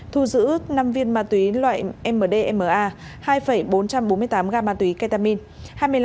thu giữ năm viên ma túy loại mdma hai bốn trăm bốn mươi tám g ma túy ketamine